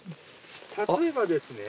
例えばですね。